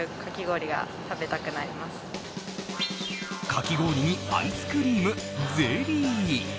かき氷に、アイスクリームゼリー。